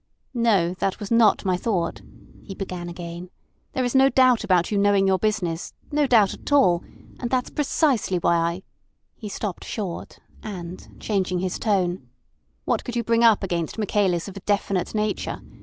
"No, that was not my thought," he began again. "There is no doubt about you knowing your business—no doubt at all; and that's precisely why I—" He stopped short, and changing his tone: "What could you bring up against Michaelis of a definite nature?